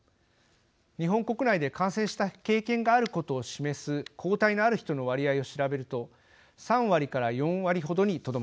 日本国内で感染した経験があることを示す抗体のある人の割合を調べると３割から４割ほどにとどまっています。